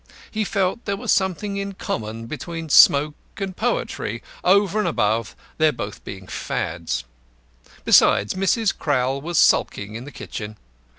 He felt there was something in common between smoke and poetry, over and above their being both Fads. Besides, Mrs. Crowl was sulking in the kitchen.